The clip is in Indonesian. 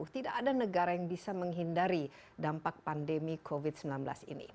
tidak ada negara yang bisa menghindari dampak pandemi covid sembilan belas ini